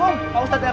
god gust ya pak peta